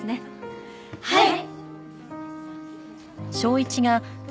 はい！